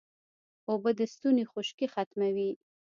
اوبه د ستوني خشکي ختموي